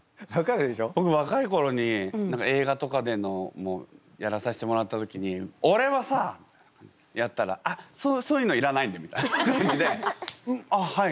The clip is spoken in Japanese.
ぼくわかいころに映画とかでのやらさせてもらった時に「おれはさ！」やったら「あっそういうのいらないんで」みたいな感じであっはい。